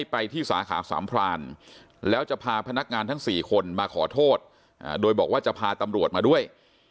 พาพนักงานทั้งสี่คนมาขอโทษอ่าโดยบอกว่าจะพาตำรวจมาด้วย